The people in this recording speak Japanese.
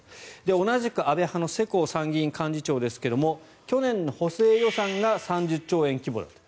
同じく安倍派の世耕参院幹事長ですけども去年の補正予算が３０兆円規模だと。